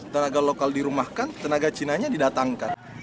tenaga lokal dirumahkan tenaga cinanya didatangkan